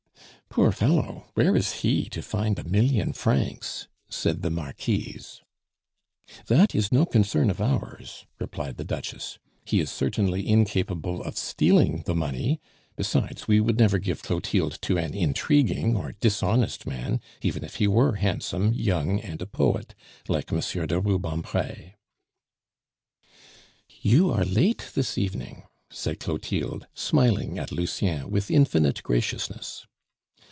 "Poor fellow! where is he to find a million francs?" said the Marquise. "That is no concern of ours," replied the Duchess. "He is certainly incapable of stealing the money. Besides, we would never give Clotilde to an intriguing or dishonest man even if he were handsome, young, and a poet, like Monsieur de Rubempre." "You are late this evening," said Clotilde, smiling at Lucien with infinite graciousness.